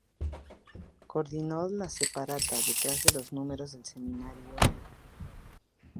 Coordinó la separata "Detrás de los Números" del semanario Brecha.